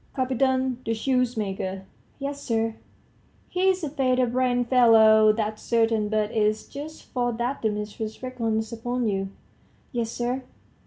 "Kapiton, the shoemaker." "Yes, sir." "He's a feather brained fellow, that's certain. But it's just for that the mistress reckons upon you." "Yes, sir."